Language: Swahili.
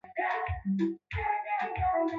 Habari za saa moja.